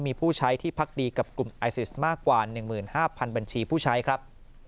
มีผู้ใช้ที่พักดีกับกลุ่มไอซิสมากกว่า๑๕๐๐๐บัญชีผู้ใช้ครับ